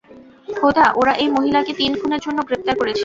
খোদা, ওরা এই মহিলাকে তিন খুনের জন্য গ্রেপ্তার করেছে।